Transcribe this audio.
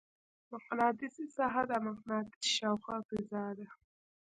مقناطیسي ساحه د مقناطیس شاوخوا فضا ده.